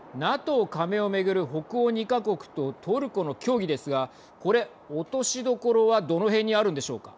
ＮＡＴＯ加盟を巡る北欧２か国とトルコの協議ですがこれ、落としどころはどのへんにあるんでしょうか。